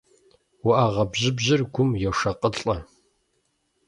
УӀэгъэ бжьыбжьыр гум йошыкъылӀэ.